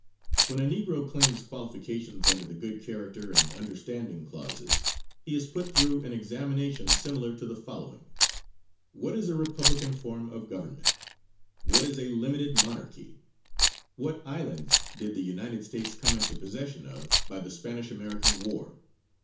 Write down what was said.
When a negro claims qualifications under the good character and understanding clauses he is put through an examination similar to the following: "What is a republican form of government? "What is a limited monarchy? "What islands did the United States come into possession of by the Spanish American War?